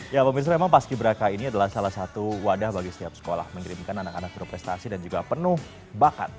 ya pak ministro emang pas ki braka ini adalah salah satu wadah bagi setiap sekolah mengirimkan anak anak berprestasi dan juga penuh bakat